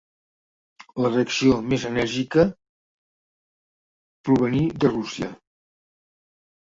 La reacció més enèrgica provenir de Rússia.